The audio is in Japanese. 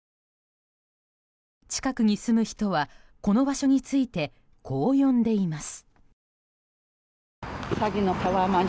近くに住む人はこの場所についてこう呼んでいます。